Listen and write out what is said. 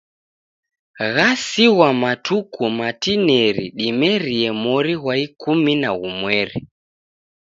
Ghasighwa matuku matineri dimerie mori ghwa ikumi na ghumweri.